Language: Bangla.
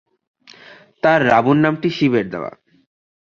তার রাবণ নামটি শিবের দেওয়া।